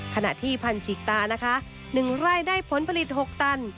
ขณะที่พันฉีกตานะคะ๑ไร่ได้ผลผลิต๖ตัน